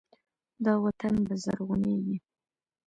دا وطن به زرغونیږي.